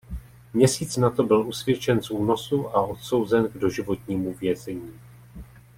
Měsíc na to byl usvědčen z únosu a odsouzen k doživotnímu vězení.